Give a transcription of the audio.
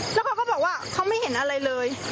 แล้วเขาก็บอกว่าเขาไม่เห็นอะไรเลย